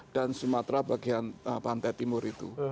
dan sumatera bagian pantai timur itu